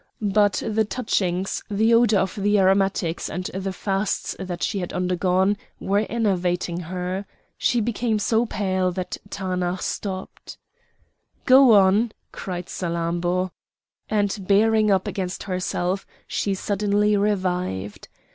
But the touchings, the odour of the aromatics, and the fasts that she had undergone, were enervating her. She became so pale that Taanach stopped. "Go on!" said Salammbô, and bearing up against herself, she suddenly revived.